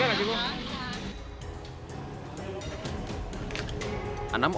perisakan warga lagi